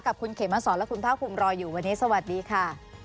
กับคุณเขมสอนและคุณภาคภูมิรออยู่วันนี้สวัสดีค่ะ